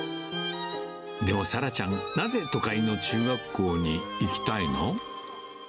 でも咲羅ちゃん、なぜ都会の中学校に行きたいの？